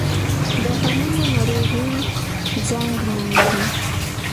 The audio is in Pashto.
د غنمو ناروغي زنګ نومیږي.